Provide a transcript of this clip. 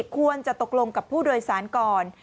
ควรจะตกลงกับผู้โดยสารก่อน